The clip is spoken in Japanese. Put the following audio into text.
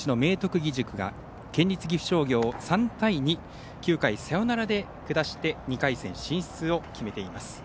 義塾が県立岐阜商業を３対２９回、サヨナラで下して２回戦進出を決めています。